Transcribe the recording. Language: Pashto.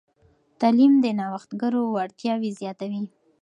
تعلیم د نوښتګرو وړتیاوې زیاتوي.